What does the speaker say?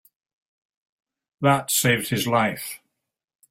That saved his life.